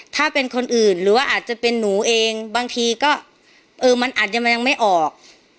ถ้าเป็นคนอื่นหรือว่าอาจจะเป็นหนูเองบางทีก็เออมันอาจจะมันยังไม่ออก